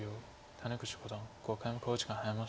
谷口五段５回目の考慮時間に入りました。